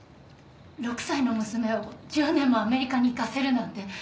６歳の娘を１０年もアメリカに行かせるなんて。